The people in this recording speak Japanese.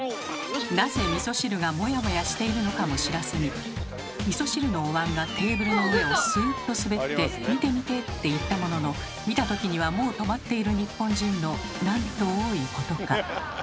なぜみそ汁がモヤモヤしているのかも知らずにみそ汁のおわんがテーブルの上をスーッと滑って「見て見て！」って言ったものの見た時にはもう止まっている日本人のなんと多いことか。